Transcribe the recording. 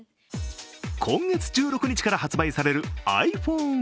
今月１６日から発売されるｉＰｈｏｎｅ１４。